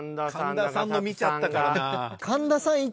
神田さんの見ちゃったからな。